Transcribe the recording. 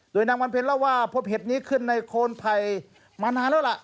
โดยนางวันเพ็ญเล่าว่าพบเห็ดนี้ขึ้นในโคนไผ่มานานแล้วล่ะ